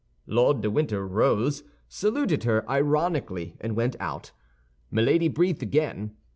Lord de Winter rose, saluted her ironically, and went out. Milady breathed again.